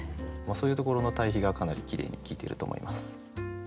そういうところの対比がかなりきれいに効いていると思います。